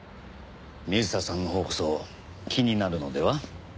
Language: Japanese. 水田さんのほうこそ気になるのでは？